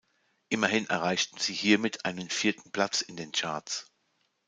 Immerhin erreichten sie hiermit einen vierten Platz in den Charts.